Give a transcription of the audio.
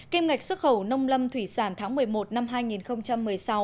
kim ngạch xuất khẩu nông lâm thủy sản tháng một mươi một năm hai nghìn một mươi sáu